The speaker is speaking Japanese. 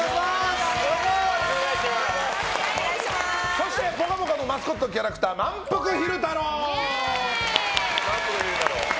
そして、「ぽかぽか」のマスコットキャラクターまんぷく昼太郎！